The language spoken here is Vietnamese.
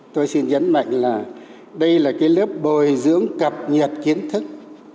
tôi xin nhấn mạnh là đây là cái lớp bồi dưỡng cập nhật kiến thức